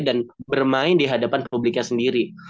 dan bermain di hadapan publiknya sendiri